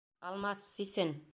Алмас, сисен!